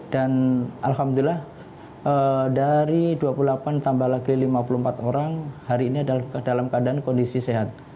alhamdulillah dari dua puluh delapan tambah lagi lima puluh empat orang hari ini dalam keadaan kondisi sehat